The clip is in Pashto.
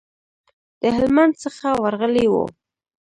د هلمند څخه ورغلي وو.